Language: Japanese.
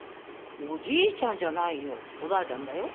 おじいちゃんじゃないよおばあちゃんだよ。